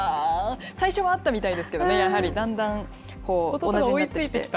最初はあったみたいですけどね、やはりだんだん、同じになっ弟が追いついてきた。